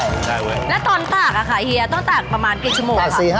ใช่เว้ยแล้วตอนตากอะค่ะเฮียต้องตากประมาณกี่ชั่วโมงอ่ะ